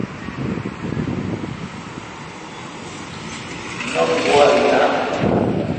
نوم گوا این۔